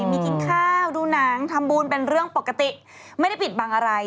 มีกินข้าวดูหนังทำบุญเป็นเรื่องปกติไม่ได้ปิดบังอะไร